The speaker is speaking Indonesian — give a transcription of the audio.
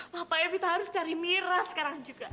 papa evita harus cari mira sekarang juga